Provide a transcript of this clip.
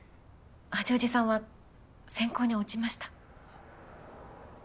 八王子さんは選考に落ちました。